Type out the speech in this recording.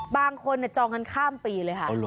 บางคนจองกันข้ามปีเลยค่ะ